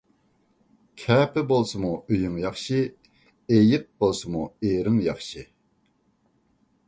كەپە بولسىمۇ ئۆيۈڭ ياخشى، ئېيىق بولسىمۇ ئېرىڭ ياخشى.